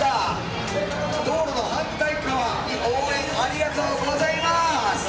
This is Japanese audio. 道路の反対側に応援ありがとうございます！」。